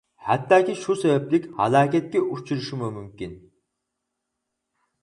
ھەتتاكى شۇ سەۋەبلىك ھالاكەتكە ئۇچرىشىمۇ مۇمكىن.